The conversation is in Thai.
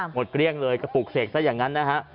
เกลี้ยงเลยกระปุกเสกซะอย่างนั้นนะฮะ